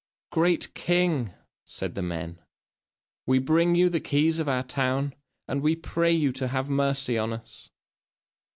"Great king!" said the men, "we bring you the keys of our town, and we pray you to have mercy on us."